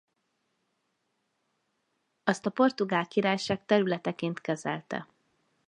Azt a portugál királyság területeként kezelte.